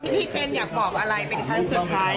พี่เจนอยากขอโทษไหมคะ